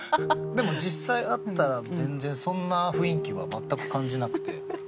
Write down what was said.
でも実際会ったら全然そんな雰囲気は全く感じなくて。